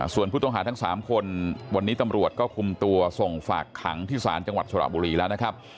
ส่วนผู้ต้องหาทั้ง๓คนวันนี้ตำรวจก็คุมตัวส่งฝากขังที่ศาลจังหวัดสระบุรีแล้วนะครับ